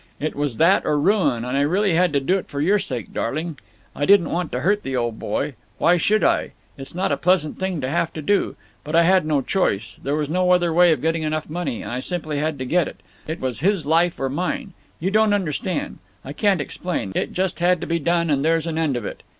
It was that or ruin, and I really had to do it for your sake, darling. I didn't want to hurt the old boy. Why should I? It's not a pleasant thing to have to do. But I had no choice there was no other way of getting enough money, and I simply had to get it. It was his life or mine. You don't understand. I can't explain. It just had to be done, and there's an end of it.